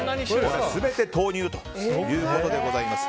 全て豆乳ということです。